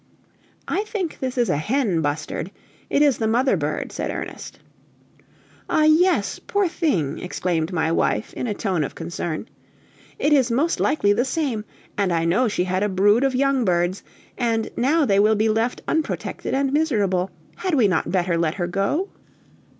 "I think this is a hen bustard; it is the mother bird," said Ernest. "Ah, yes, poor thing!" exclaimed my wife, in a tone of concern; "it is most likely the same, and I know she had a brood of young birds, and now they will be left unprotected and miserable. Had we not better let her go?"